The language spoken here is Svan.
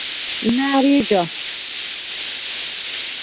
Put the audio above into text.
იმ’ა̄̈რი ეჯა?